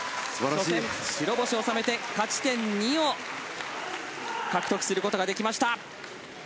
白星収めて、勝ち点２を獲得することができました。